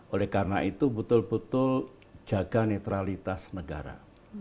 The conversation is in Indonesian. oleh karena itu betul betul jaga netralitas negara